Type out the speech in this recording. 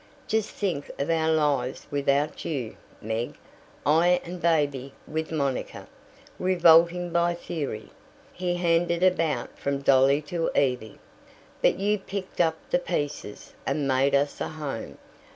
Just think of our lives without you, Meg I and baby with Monica, revolting by theory, he handed about from Dolly to Evie. But you picked up the pieces, and made us a home.